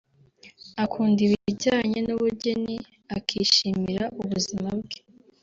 akunda ibijyanye n’ubugeni akishimira ubuzima bwe